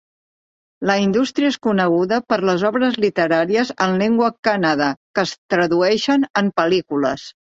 La indústria és coneguda per les obres literàries en llengua kannada, que es tradueixen en pel·lícules.